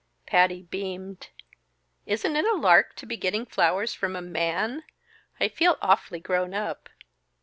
Patty beamed. "Isn't it a lark to be getting flowers from a man? I feel awfully grown up!"